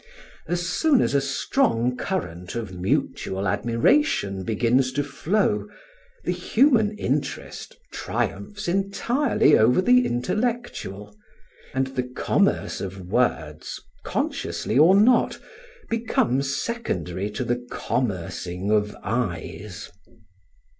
As soon as a strong current of mutual admiration begins to flow, the human interest triumphs entirely over the intellectual, and the commerce of words, consciously or not, becomes secondary to the commercing of eyes.